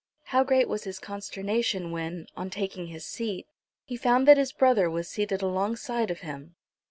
How great was his consternation when, on taking his seat, he found that his brother was seated alongside of him!